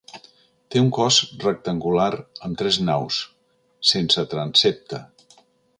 Té un cos rectangular amb tres naus, sense transsepte.